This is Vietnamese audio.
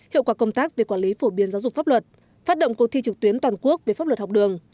hiệu quả công tác về quản lý phổ biến giáo dục pháp luật phát động cuộc thi trực tuyến toàn quốc về pháp luật học đường